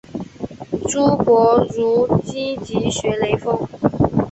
朱伯儒积极学雷锋。